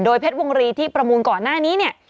โดยเพชรวงรีที่ประมูลก่อนหน้านี้